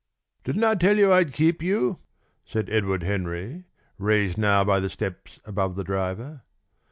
"Didn't I tell you I'd keep you?" said Edward Henry, raised now by the steps above the driver.